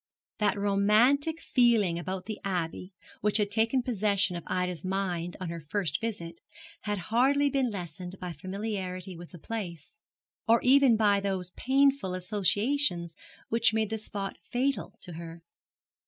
That romantic feeling about the Abbey, which had taken possession of Ida's mind on her first visit, had hardly been lessened by familiarity with the place, or even by those painful associations which made the spot fatal to her.